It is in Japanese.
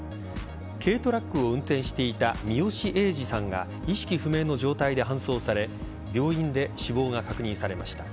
軽トラックを運転していた三好栄次さんが意識不明の状態で搬送され病院で死亡が確認されました。